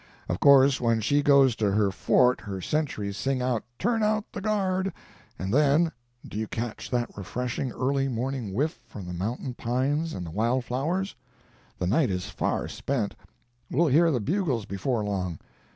Of course when she goes to her fort her sentries sing out 'Turn out the guard!' and then ... do you catch that refreshing early morning whiff from the mountain pines and the wild flowers? The night is far spent; we'll hear the bugles before long.